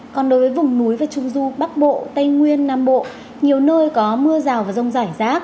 còn đối với vùng núi và trung du bắc bộ tây nguyên nam bộ nhiều nơi có mưa rào và rông rải rác